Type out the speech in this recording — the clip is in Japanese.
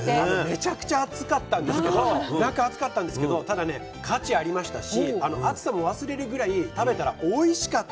めちゃくちゃ暑かったんですけど中暑かったんですけどただね価値ありましたしあの暑さも忘れるぐらい食べたらおいしかった。